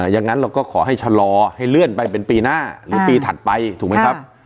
อย่างนั้นเราก็ขอให้ชะลอให้เลื่อนไปเป็นปีหน้าหรือปีถัดไปถูกไหมครับ